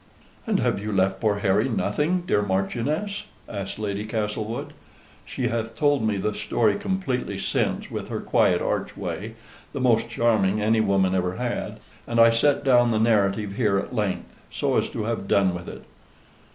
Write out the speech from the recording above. "And have you left poor Harry nothing, dear Marchioness?" asks Lady Castlewood (she hath told me the story completely since with her quiet arch way; the most charming any woman ever had: and I set down the narrative here at length, so as to have done with it).